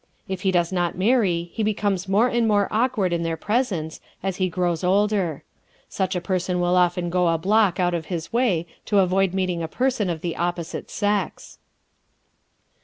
If he does not marry he becomes more and more awkward in their presence as he grows older. Such a person will often go a block out of his way to avoid meeting a person of the opposite sex.